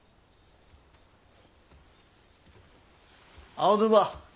青沼。